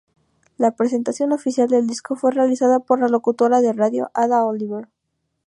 La presentación oficial del disco fue realizada por la locutora de radio Ada Oliver.